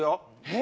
え！